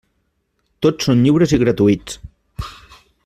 Tots són lliures i gratuïts.